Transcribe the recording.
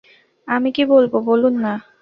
আমি কী বলব বলুন-না।